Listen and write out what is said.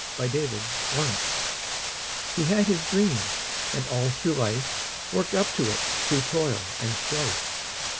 HE HAD HIS DREAM He had his dream, and all through life, Worked up to it through toil and strife.